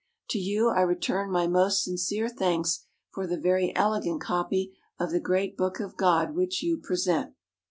"To you I return my most sincere thanks for the very elegant copy of the great Book of God which you present."